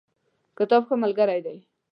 کتاب ښه ملګری دی.